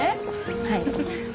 はい。